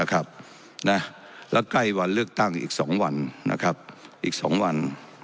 และใกล้วันเลือกตั้งอีกสองวัน